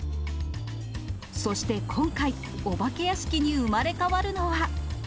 そして今回、お化け屋敷に生まれ変わるのは。